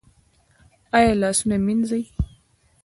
ایا لاسونه مینځي؟